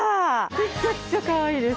めちゃくちゃかわいいです。